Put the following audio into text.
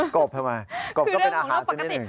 กบทำไมกบก็เป็นอาหารสักนิดหนึ่ง